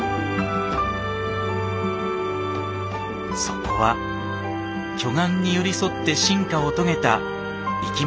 そこは巨岩に寄り添って進化を遂げた生き物たちの楽園でした。